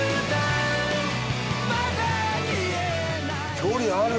距離ある！